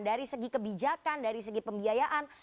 dari segi kebijakan dari segi pembiayaan